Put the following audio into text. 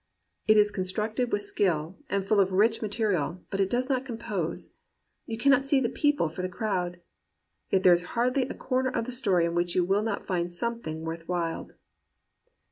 It is constructed with skill, and full of rich material, but it does not compose. You cannot see the people for the crowd. Yet there is hardly a corner of the story in which you will not find some thing worth while.